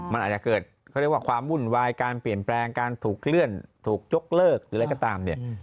มันอาจจะเกิดเขาเรียกว่าความวุ่นวายการเปลี่ยนแปลงการถูกเลื่อนถูกยกเลิกหรืออะไรก็ตามเนี่ย